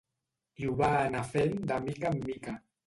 I ho va anar fent de mica en mica.